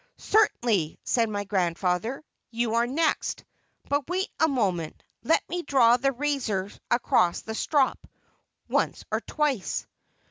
"Certainly," said my grandfather. "You are next, but wait a moment, let me draw the razor across the strop once or twice."